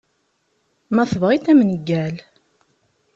Ma tebɣiḍ ad am-neggal.